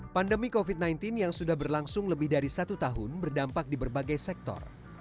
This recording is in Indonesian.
pandemi covid sembilan belas yang sudah berlangsung lebih dari satu tahun berdampak di berbagai sektor